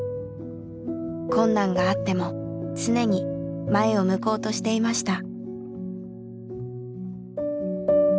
困難があっても常に前を向こうとしていました。